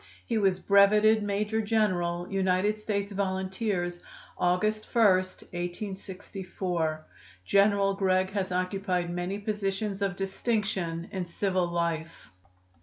He was breveted major general United States volunteers, August 1, 1864. General Gregg has occupied many positions of distinction in civil life.